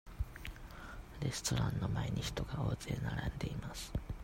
レストランの前に、人が大勢並んでいます。